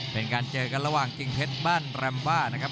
เป็นการเจอกันระหว่างกิ่งเพชรบ้านแรมบ้านะครับ